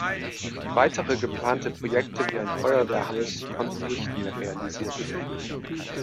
Weitere geplante Projekte wie ein Feuerwehrhaus konnten nicht mehr realisiert werden.